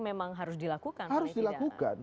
memang harus dilakukan harus dilakukan